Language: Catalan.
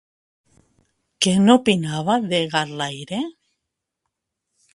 Què n'opinava de Garlaire?